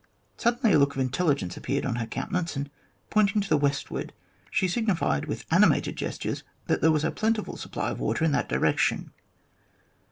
Suddenly a look of intelligence appeared on her countenance, and pointing to the westward, she signified with animated gestures that there was a plentiful supply of water in that direction.